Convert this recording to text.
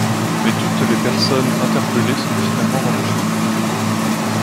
Mais toutes les personnes interpellées sont finalement relâchées.